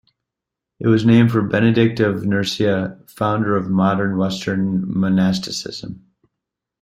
It was named for Benedict of Nursia, founder of modern western monasticism.